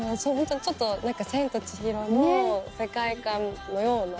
ちょっと『千と千尋』の世界観のような。